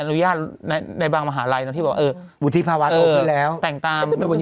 ในบางมหาลัยที่บอกว่าเอออเจมส์หุดที่ภาวะโทษทีแล้ว